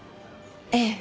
ええ。